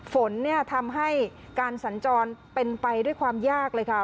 ฝนเนี่ยทำให้การสัญจรเป็นไปด้วยความยากเลยค่ะ